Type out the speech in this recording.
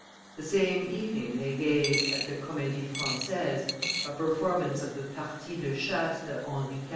The same evening they gave, at the Comedie Francaise, a performance of the Partie de Chasse de Henri IV.